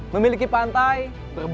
memiliki pantai berbunyi